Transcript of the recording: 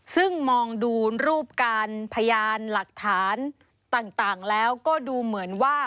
ซึ่งมองดูรูปการพยานหลักฐานต่างแล้วก็ดูเหมือนว่า